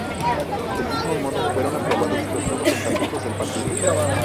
Del mismo modo, fueron aprobados los nuevos estatutos del partido.